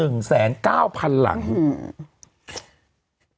พื้นที่การเกษตรได้รับความเสียหายมากมายนะฮะ